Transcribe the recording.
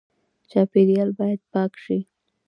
چاپیریال باید پاک شي